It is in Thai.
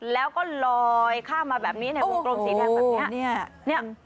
แล้วก็ลอยข้ามมาแบบนี้ในวงกลมสีแดงแบบนี้